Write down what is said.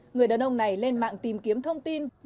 người đàn ông này lên mạng tìm kiếm thông tin